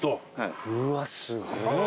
うわっすごいな。